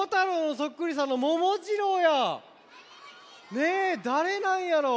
ねえだれなんやろ。